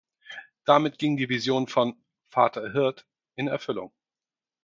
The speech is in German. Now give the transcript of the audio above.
Damit ging die Vision von „Vater Hirth“ in Erfüllung.